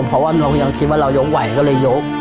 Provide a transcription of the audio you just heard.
เพราะว่าเรายกไหวก็เลยยก